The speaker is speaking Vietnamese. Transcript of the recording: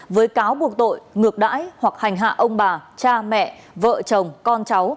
với cáo buộc tội ngược đãi hoặc hành hạ ông bà cha mẹ vợ chồng con cháu